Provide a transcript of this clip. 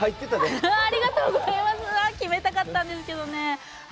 決めたかったんですけどね。